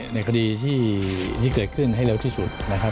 ในคดีที่เกิดขึ้นให้เร็วที่สุดนะครับ